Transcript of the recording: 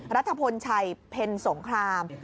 รัฐพลชัยเพ็ญสงคราม